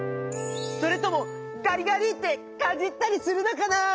それともガリガリってかじったりするのかな？